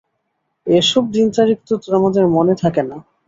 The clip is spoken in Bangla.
এসব দিন-তারিখ তো আমাদের মনে থাকে না।